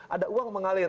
ada uang mengalir